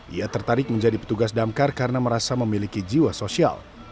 ia tertarik menjadi petugas damkar karena merasa memiliki jiwa sosial